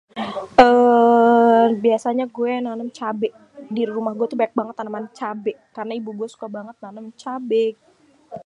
eee biasanye gue nanem cabe di rumah gué tuh banyak banget taneman cabe, karna ibu gua suka banget nanem cabe.